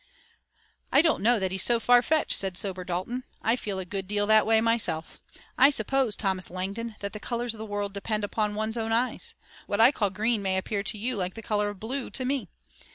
"I don't know that he's so far fetched," said sober Dalton. "I feel a good deal that way myself. I suppose, Thomas Langdon, that the colors of the world depend upon one's own eyes. What I call green may appear to you like the color of blue to me.